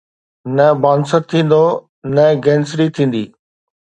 نه بانسر ٿيندو، نه گبنسري ٿيندي